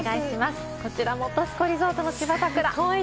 こちら、本栖湖リゾートの芝桜。